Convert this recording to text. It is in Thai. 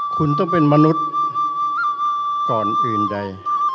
คุณต้องเป็นมนุษย์ก่อนอื่นใด